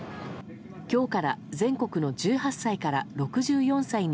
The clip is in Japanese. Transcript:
今日から全国の１８歳から６４歳に